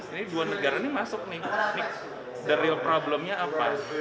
ini dua negara masuk the real problemnya apa